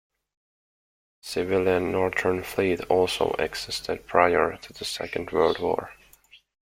A civilian Northern Fleet also existed prior to the Second World War.